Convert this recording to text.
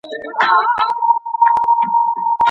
سم چاپیریال د زده کړي لپاره اړین دی.